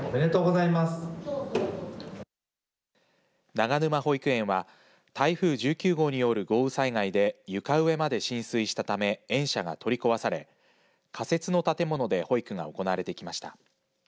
長沼保育園は台風１９号による豪雨災害で床上まで浸水したため園舎が取り壊され仮設の建物で保育が行われてきました。